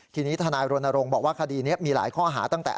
ทีนี้ทนายรณรงค์บอกว่าคดีนี้มีหลายข้อหาตั้งแต่